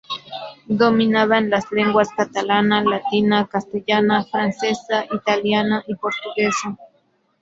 Dominaba las lenguas catalana, latina, castellana, francesa, italiana y portuguesa.